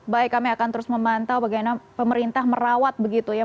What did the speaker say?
baik kami akan terus memantau bagaimana pemerintah merawat begitu ya